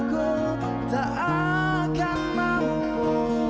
ku tak akan mau